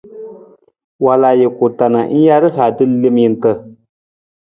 Wal ajuku ta na ng ja rihaata lem jantna.